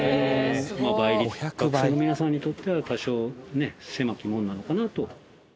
学生の皆さんにとっては多少狭き門なのかなと。